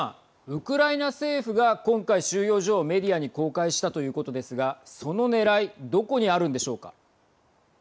ウクライナ政府が今回、収容所をメディアに公開したということですがそのねらいどこにあるんでしょうか。